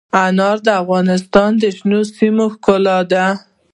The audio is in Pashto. انار د افغانستان د شنو سیمو ښکلا ده.